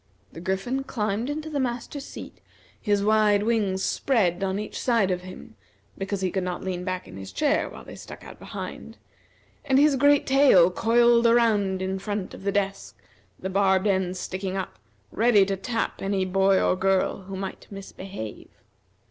The Griffin climbed into the master's seat, his wide wings spread on each side of him, because he could not lean back in his chair while they stuck out behind, and his great tail coiled around, in front of the desk, the barbed end sticking up, ready to tap any boy or girl who might misbehave.